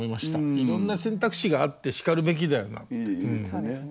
いろんな選択肢があってしかるべきだよなって。